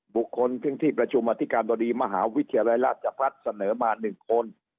บุคคลที่ประชุมอธิการบดีมหาวิทยาลัยราชพัฒน์เสนอมา๑คน